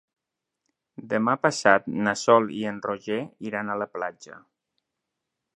Demà passat na Sol i en Roger iran a la platja.